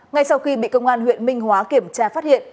ngay sau khi bị công an huyện minh hóa kiểm tra phát hiện